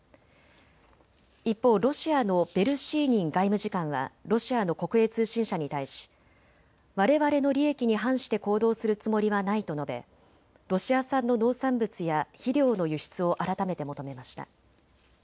一方、ロシアのベルシーニン外務次官はロシアの国営通信社に対し、われわれの利益に反して行動するつもりはないと述べロシア産の農産物や肥料の輸出を改めて求めました。